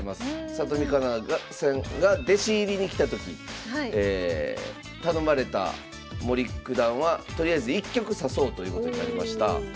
里見香奈さんが弟子入りに来た時頼まれた森九段はとりあえず１局指そうということになりました。